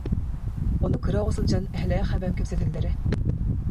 Ону кыра оҕо сылдьан эһэлээх эбэм кэпсэтэллэрэ